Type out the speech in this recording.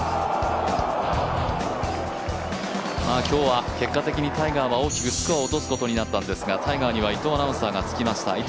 今日は結果的にタイガーはスコアを大きく落とすことになったんですがタイガーには伊藤アナウンサーがつきました